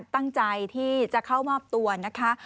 ตั้งใจที่จะเข้ามอบตัวนะคะ